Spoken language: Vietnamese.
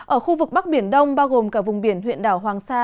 ở khu vực bắc biển đông bao gồm cả vùng biển huyện đảo hoàng sa